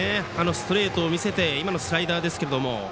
ストレートを見せて今のスライダーですけれども。